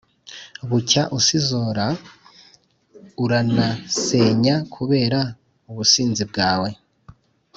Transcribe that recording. Bucya usizora uranansenya kubera ubusinzi bwawe.